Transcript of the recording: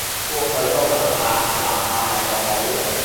搬去東南亞南亞咪仲好